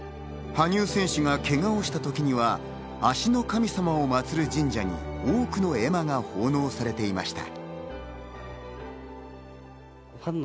羽生選手がけがをした時には足の神様を祭る神社に多くの絵馬が奉納されていました。